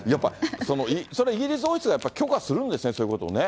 それはイギリス王室が許可するんですね、そういうことをね。